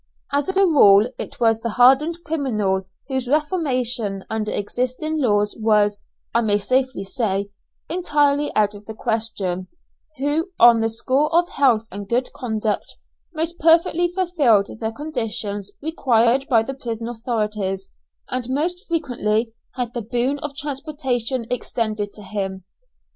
As a rule, it was the hardened criminal whose reformation under existing laws was, I may safely say, entirely out of the question, who, on the score of health and good conduct, most perfectly fulfilled the conditions required by the prison authorities, and most frequently had the boon of transportation extended to him.